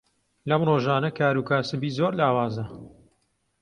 لەم ڕۆژانە کاروکاسبی زۆر لاوازە.